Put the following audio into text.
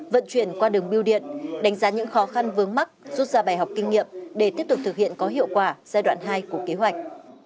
vận chuyển qua đường biêu điện đánh giá những khó khăn vướng mắt rút ra bài học kinh nghiệm để tiếp tục thực hiện có hiệu quả giai đoạn hai của kế hoạch